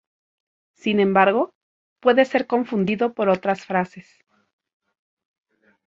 Sin embargo, puede ser confundido por otras frases.